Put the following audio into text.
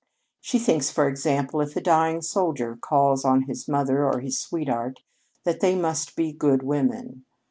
She thinks, for example, if a dying soldier calls on his mother or his sweetheart that they must be good women.